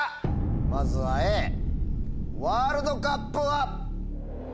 まずはＡ「ワールドカップ」は？